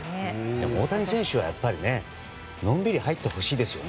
大谷選手はやっぱりのんびり入ってほしいですよね。